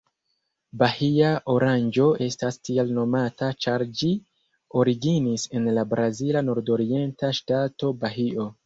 Bahia oranĝo estas tiel nomata ĉar ĝi originis en la brazila nordorienta ŝtato Bahio.